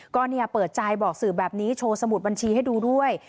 ก็เปิดใจบอกสื่อแบบนี้โชว์สมุดบัญชีให้ดูด้วย